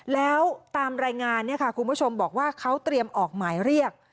แล้วตามรายงานเนี่ยค่ะคุณผู้ชมบอกว่าเขาเตรียมออกหมายเรียก